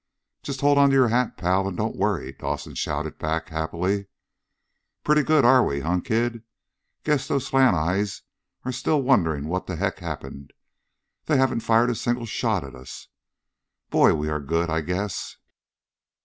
"Just hold onto your hat, pal, and don't worry!" Dawson shouted back happily. "Pretty good we are, huh, kid? Guess those slant eyes are still wondering what the heck happened. They haven't fired a single shot at us. Boy, we are good, I guess!"